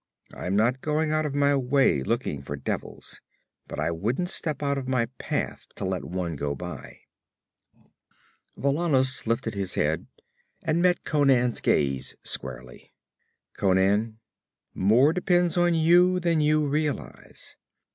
I'm not going out of my way looking for devils; but I wouldn't step out of my path to let one go by.' Valannus lifted his head and met Conan's gaze squarely. 'Conan, more depends on you than you realize.